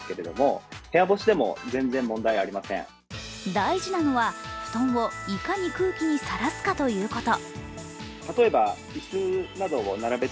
大事なのは布団をいかに空気にさらすかということ。